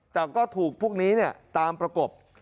แต่ก็ถูกพวกนี้ตามประกบ